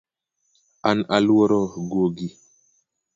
An aluoro gwogi